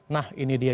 nah ini dia